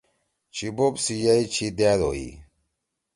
چھی بوپ سی یئی چھی دأد ہوئی۔